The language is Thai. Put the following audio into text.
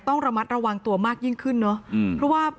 ต้องระมัดระวังตัวมากยิ่งขึ้นเนอะอืม